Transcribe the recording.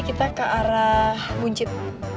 kita ke arah buncit